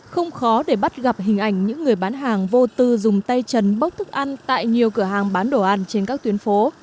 không khó để bắt gặp hình ảnh những người bán hàng vô tư dùng tay trần bốc thức ăn tại nhiều cửa hàng bán đồ ăn trên các tuyến phố